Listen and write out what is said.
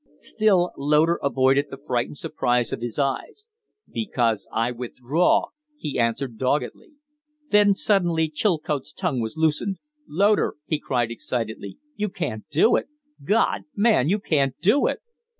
Still Loder avoided the frightened surprise of his, eyes. "Because I withdraw," he answered, doggedly. Then suddenly Chilcote's tongue was loosened. "Loder," he cried, excitedly, "you can't do it! God! man, you can't do it!"